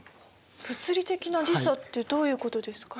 物理的な時差ってどういうことですか？